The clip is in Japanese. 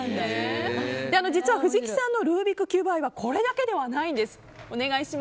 実は藤木さんのルービックキューブ愛はこれだけではないんです。